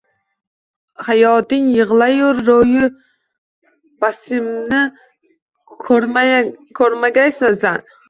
Hayoting yigʻlayur roʻyi basimni koʻrmagaysan, san